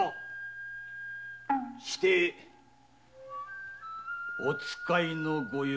してお使いのご用向きは？